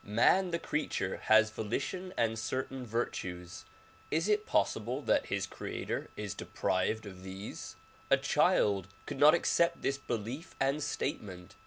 IMan the creature has volition and certain virtues. Is it possible that his creator is deprived of these? A child could not accept this belief and statement.